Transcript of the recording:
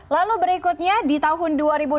lalu berikutnya di tahun dua ribu delapan belas